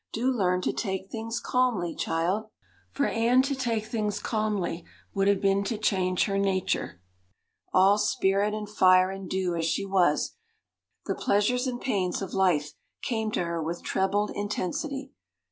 Do learn to take things calmly, child." For Anne to take things calmly would have been to change her nature. All "spirit and fire and dew," as she was, the pleasures and pains of life came to her with trebled intensity.